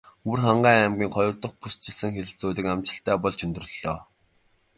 Өвөрхангай аймгийн хоёр дахь бүсчилсэн хэлэлцүүлэг амжилттай болж өндөрлөлөө.